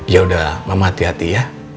yaudah mama hati hati ya